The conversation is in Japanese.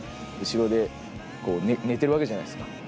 後ろで寝てるわけじゃないですか。